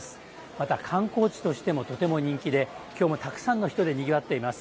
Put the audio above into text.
また観光地としてもとても人気で今日もたくさんの人でにぎわっています。